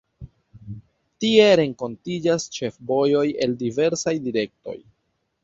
Tie renkontiĝas ĉefvojoj el diversaj direktoj.